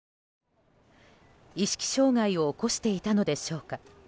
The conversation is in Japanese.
意識障害を起こしていたのでしょうか。